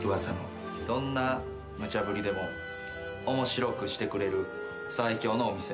どんな無茶ぶりでも面白くしてくれる最強のお店。